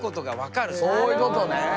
そういうことね。